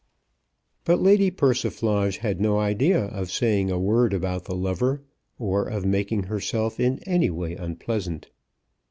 But Lady Persiflage had no idea of saying a word about the lover, or of making herself in any way unpleasant.